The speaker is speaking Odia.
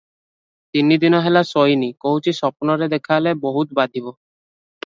ତିନିଦିନ ହେଲା ଶୋଇନି କହୁଛି ସ୍ୱପ୍ନରେ ଦେଖାହେଲେ ବହୁତ ବାଧିବ